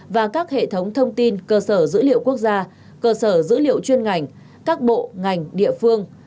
và các hệ thống thông tin cơ sở dữ liệu quốc gia cơ sở dữ liệu chuyên ngành các bộ ngành địa phương